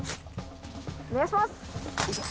お願いします！